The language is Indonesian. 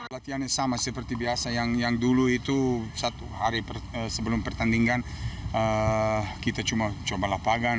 latihannya sama seperti biasa yang dulu itu satu hari sebelum pertandingan kita cuma coba lapangan